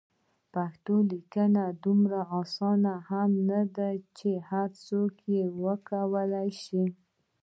پښتو لیکنه دومره اسانه هم نده چې هر څوک یې وکولای شي.